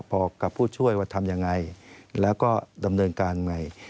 พอกับผู้ช่วยว่าทำยังไงแล้วก็ดำเนินการใหม่